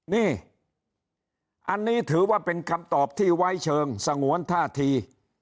นี่อันนี้ถือว่าเป็นคำตอบที่ไว้เชิงสงวนท่าที